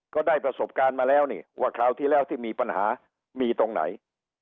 ก็ได้ประสบการณ์มาแล้วนี่ว่าคราวที่แล้วที่มีปัญหามีตรงไหน